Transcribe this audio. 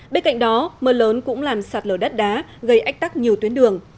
bên cạnh đó mưa lớn cũng làm sạt lở đất đá gây ách tắc nhiều tuyến đường